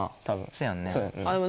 そやんね。